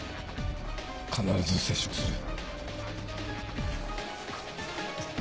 必ず接触する。